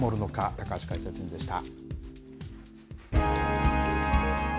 高橋解説委員でした。